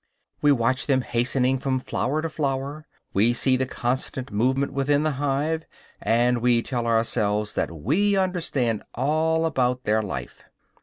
We watch them hastening from flower to flower, we see the constant movement within the hive; and we tell ourselves that we understand all about their life.